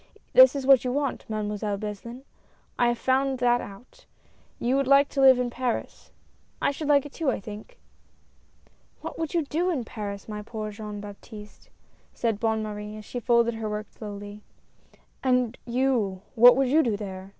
That is what you want. Mademoiselle Beslin, I have found that out — you would like to live in Paris — and I should like it too, I think." " What would you do in Paris, my poor dear Jean Baptiste," said Bonne Marie, as she folded her work slowly. "And you, what would you do there